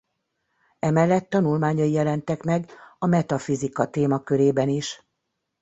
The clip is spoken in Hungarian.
Emellett tanulmányai jelentek meg a metafizika témakörében is.